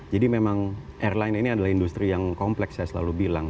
jadi memang airline ini adalah industri yang kompleks saya selalu bilang